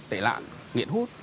tệ lạng nghiện hút